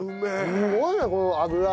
すごいねこの脂！